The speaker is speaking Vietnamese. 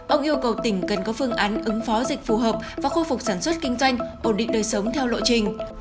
ông yêu cầu tỉnh cần có phương án ứng phó dịch phù hợp và khôi phục sản xuất kinh doanh ổn định đời sống theo lộ trình